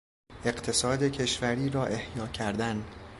اقتصاد کشوری را احیا کردن